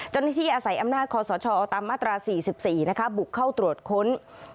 จนที่อาศัยอำนาจคศอมตรา๔๔บุกเข้าตรวจค้น